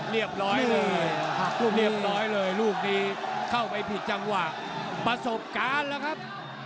เรียบร้อยเลยหักลูกเรียบร้อยเลยลูกนี้เข้าไปผิดจังหวะประสบการณ์แล้วครับ